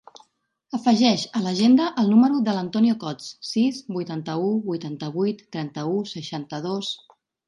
Afegeix a l'agenda el número de l'Antonio Cots: sis, vuitanta-u, vuitanta-vuit, trenta-u, seixanta-dos.